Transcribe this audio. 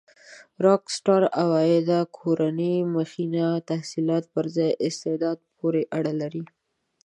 راک سټار عوایده کورنۍ مخینه تحصيلاتو پر ځای استعداد پورې اړه لري.